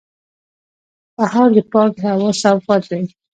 سهار د پاکې هوا سوغات دی.